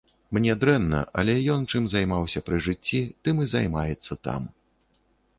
Мне дрэнна, але ён чым займаўся пры жыцці, тым і займаецца там.